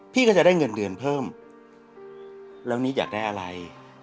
พี่ก็จะได้เงินเดือนเพิ่มแล้วนิดอยากได้อะไร